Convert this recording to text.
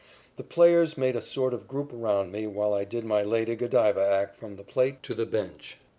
The players made a sort of group around me while I did my Lady Godiva act from the plate to the bench.